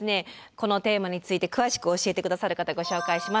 このテーマについて詳しく教えて下さる方ご紹介します。